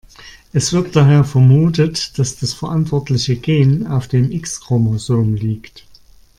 Es wird daher vermutet, dass das verantwortliche Gen auf dem X-Chromosom liegt.